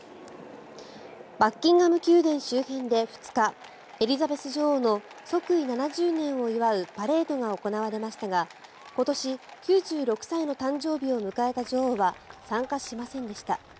バッキンガム宮殿周辺で２日エリザベス女王の即位７０年を祝うパレードが行われましたが今年９６歳の誕生日を迎えた女王は参加しませんでした。